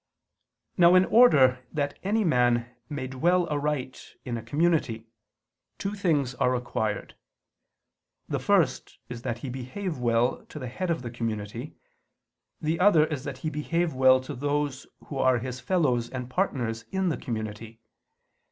Now in order that any man may dwell aright in a community, two things are required: the first is that he behave well to the head of the community; the other is that he behave well to those who are his fellows and partners in the community.